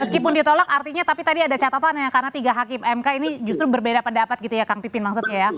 meskipun ditolak artinya tapi tadi ada catatannya karena tiga hakim mk ini justru berbeda pendapat gitu ya kang pipin maksudnya ya